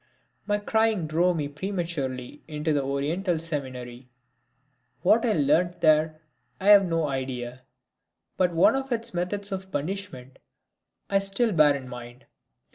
My crying drove me prematurely into the Oriental Seminary. What I learnt there I have no idea, but one of its methods of punishment I still bear in mind.